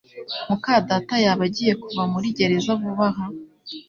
muka data yaba agiye kuva muri gereza vuba aha?